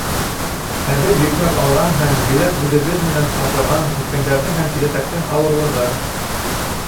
Ә беҙ йөкмәп алған һәм гелән үҙебеҙ менән ташыған үткәндәрҙең һәм киләсәктең ауырлығы?!